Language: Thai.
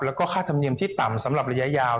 แล้วก็ค่าธรรมเนียมที่ต่ำสำหรับระยะยาว